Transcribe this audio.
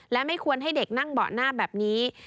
และไม่ควรให้เด็กนั่งเบาะหน้าแบบนี้